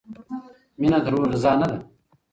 مینه د روح غذا نه ده.